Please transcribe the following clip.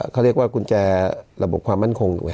เขาเรียกว่ากุญแจระบบความมั่นคงถูกไหม